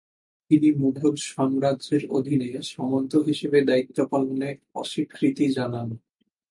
তিনি মুঘল সাম্রাজ্যের অধীনে সামন্ত হিসেবে দায়িত্ব পালনে অস্বীকৃতি জানান।